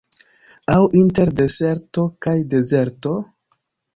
Aŭ inter deserto kaj dezerto?